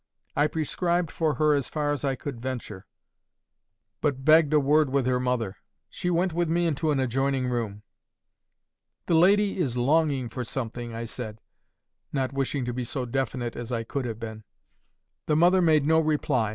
I prescribed for her as far as I could venture, but begged a word with her mother. She went with me into an adjoining room. "'The lady is longing for something,' I said, not wishing to be so definite as I could have been. "The mother made no reply.